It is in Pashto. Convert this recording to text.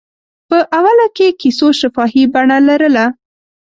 په اوله کې کیسو شفاهي بڼه لرله.